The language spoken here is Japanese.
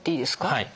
はい。